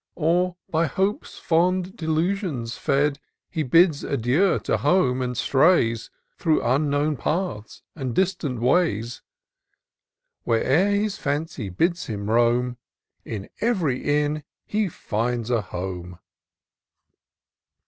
Or by hope's fond delusions fed. He bids adieu to home, and strays Through unknown paths and distant ways: Where'er his fancy bids him roam, In every inn he finds a home. IN SEARCH OF THE PICTURESQUE.